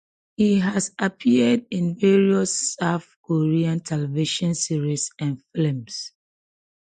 He has appeared in various South Korean television series and films.